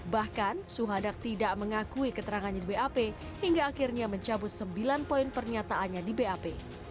bahkan suhadak tidak mengakui keterangannya di bap hingga akhirnya mencabut sembilan poin pernyataannya di bap